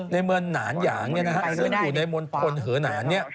ในเมืองหนานหยางซึ่งอยู่ในมณฑลเหอหนาน